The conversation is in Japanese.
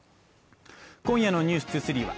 今夜の「ｎｅｗｓ２３」は